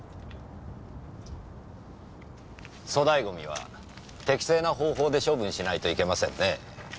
粗大ゴミは適正な方法で処分しないといけませんねえ。